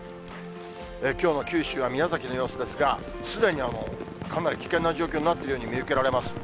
きょうの九州は、宮崎の様子ですが、すでにかなり危険な状況になっているように見受けられます。